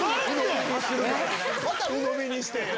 ⁉またうのみにして！